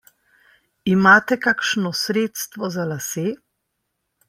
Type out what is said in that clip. Imate kakšno sredstvo za lase?